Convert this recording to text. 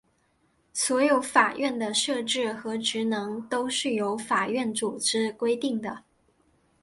所有法院的设置和职能都是由法院组织法规定的。